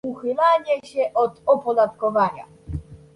uchylanie się od opodatkowania